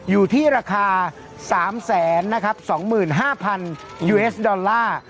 อยู่ที่ราคาสามแสนนะครับสองหมื่นห้าพันยูเอสดอลลาร์